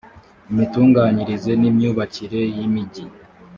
imitunganyirize n imyubakire y imijyi